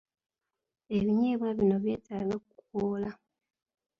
Ebinyeebwa bino byetaaga kukoola.